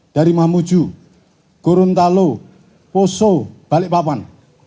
dari mamuju gorontalo poso balikpapan